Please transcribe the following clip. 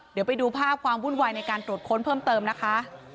เดี๋ยวไปดูภาพความวุ่นวายในการตรวจค้นเพิ่มเติมนะคะ